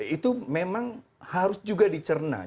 itu memang harus juga dicerna